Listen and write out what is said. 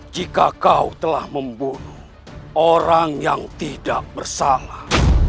jika kau telah membunuh orang yang tidak bersalah